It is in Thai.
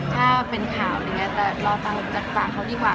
รอตาหลบจัดปากเขาดีกว่า